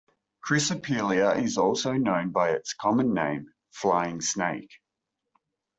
"Chrysopelea" is also known by its common name "flying snake.